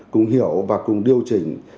cùng hiểu và cùng điều chỉnh